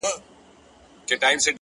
هره بریا د داخلي نظم نتیجه ده